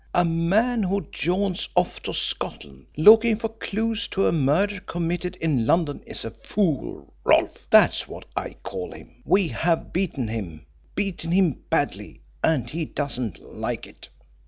A man who jaunts off to Scotland looking for clues to a murder committed in London is a fool, Rolfe that's what I call him. We have beaten him beaten him badly, and he doesn't like it.